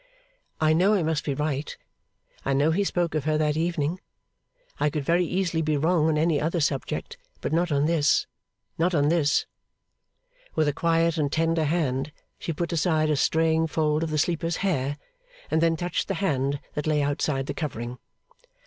'I know I must be right. I know he spoke of her that evening. I could very easily be wrong on any other subject, but not on this, not on this!' With a quiet and tender hand she put aside a straying fold of the sleeper's hair, and then touched the hand that lay outside the covering.